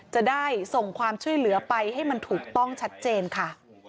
จะได้ส่งความช่วยเหลือไปให้มันถูกต้องชัดเจนค่ะ